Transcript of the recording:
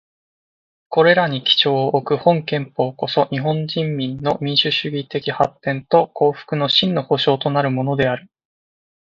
これらに基調をおく本憲法こそ、日本人民の民主主義的発展と幸福の真の保障となるものである。